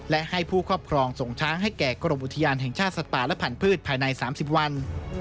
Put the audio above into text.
และให้ผู้ครอบครองส่งช้างให้แก่กรมอุทยานแห่งชาติสัตว์ป่าและผันพืชภายใน๓๐วัน